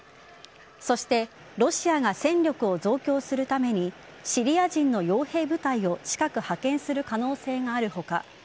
そしてロシアが戦力を増強するためにシリア人の傭兵部隊を近く派遣する可能性がある他